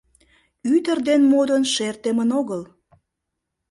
Ӱдыр ден модын шер темын огыл.